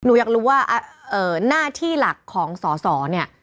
หนูอยากรู้ว่าหน้าที่หลักของสอสอเนี่ย